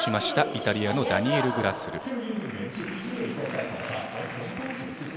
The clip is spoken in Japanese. イタリアのダニエル・グラスル。